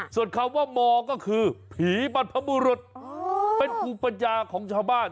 ส่วนคำว่าหมอก็คือผีบัภมรภเป็นอุปาญาของชาวบ้าน